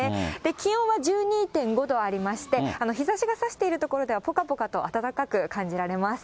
気温は１２．５度ありまして、日ざしがさしている所では、ぽかぽかと暖かく感じられます。